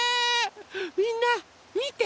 みんなみて！